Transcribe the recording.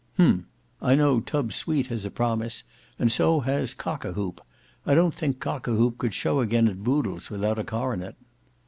"Hem! I know Tubbe Swete has a promise, and so has Cockawhoop. I don't think Cockawhoop could show again at Boodle's without a coronet."